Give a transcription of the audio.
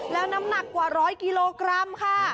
แล้วน้ำหนักกว่า๑๐๐กิโลกรัมค่ะ